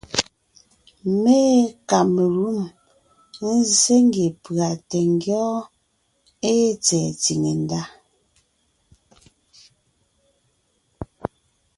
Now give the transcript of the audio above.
Mé ée kamelûm nzsé ngie pʉ̀a tɛ ngyɔ́ɔn ée tsɛ̀ɛ tsìŋe ndá: